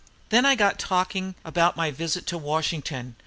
Then I got talking about my visit to Washington.